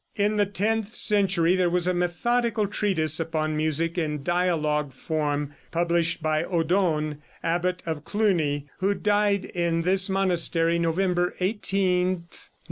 In the tenth century there was a methodical treatise upon music in dialogue form, published by Odon, abbot of Cluny, who died in this monastery November 18, 942.